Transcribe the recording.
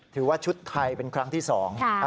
ถือว่าชุดไทยเป็นครั้งที่สอง